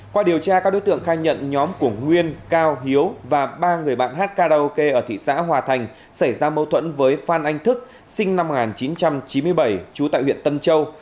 qua điều tra các đối tượng khai nhận nhóm của nguyên cao hiếu và ba người bạn hát karaoke ở thị xã hòa thành xảy ra mâu thuẫn với phan anh thức sinh năm một nghìn chín trăm chín mươi bảy trú tại huyện tân châu